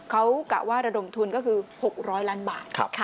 เขากะว่าระดมทุนก็คือ๖๐๐ล้านบาท